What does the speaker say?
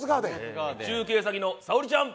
中継先のさおりちゃん